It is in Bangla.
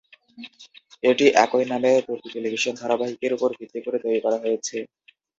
এটি একই নামের তুর্কি টেলিভিশন ধারাবাহিকের উপর ভিত্তি করে তৈরি করা হয়েছে।